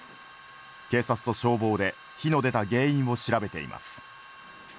警察と消防で火の出た原因を調べています。